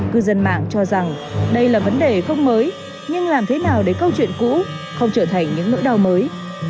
cư dân mạng cho rằng đây là vấn đề không mới nhưng làm thế nào để câu chuyện cũ không trở thành những nỗi đau mới